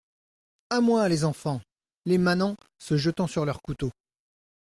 À moi, les enfants ! les manants , se jetant sur leurs couteaux.